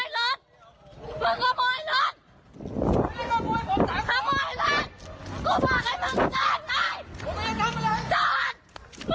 มีผู้ชายคนหนึ่งขี่มามีผู้ชายคนหนึ่งขี่มา